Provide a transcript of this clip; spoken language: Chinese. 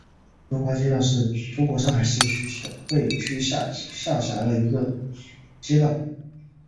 龙华街道是中国上海市徐汇区下辖的一个街道。